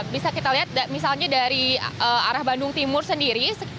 bisa kita lihat misalnya dari arah bandung timur sendiri